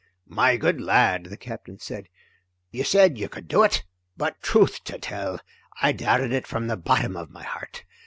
"My good lad," the Captain said, "you said you could do it, but truth to tell, I doubted it from the bottom of my heart.